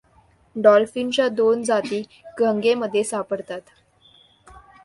डॉल्फिनच्या दोन जाती गंगेमध्ये सापडतात.